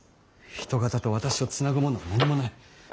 人形と私を繋ぐものは何もない。